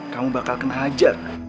kamu bakal kena hajar